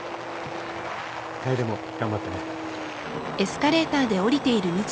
楓も頑張ってね。